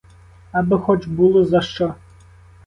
Аби хоч було за що.